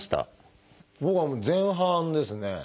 僕は前半ですね。